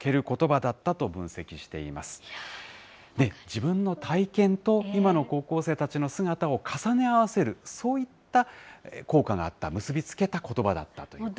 自分の体験と今の高校生たちの姿を重ね合わせる、そういった効果があった、結び付けたことばだったという。